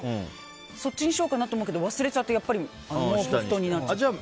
そっちにしようかなと思うけど忘れちゃって毛布、布団になっちゃう。